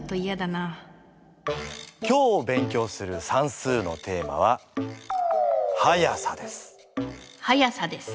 今日勉強する算数の速さです。